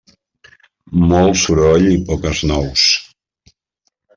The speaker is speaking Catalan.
Molt soroll i poques nous.